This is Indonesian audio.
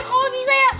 kalau bisa ya